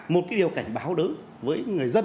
một cái điều cảnh báo đỡ với người dân